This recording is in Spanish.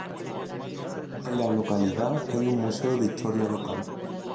En la localidad hay un museo de historia local.